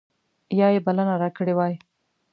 یا یې بلنه راکړې وای.